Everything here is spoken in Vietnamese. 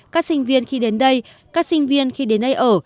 các sinh viên khi đến đây các sinh viên khi đến nơi ở